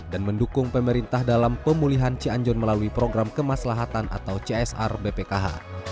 dan mendukung pemerintah dalam pemulihan cianjo melalui program kemaslahatan atau csr bpkh